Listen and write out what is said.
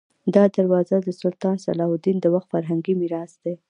دا دروازه د سلطان صلاح الدین د وخت فرهنګي میراث دی.